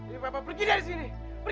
jadi bapa pergi dari sini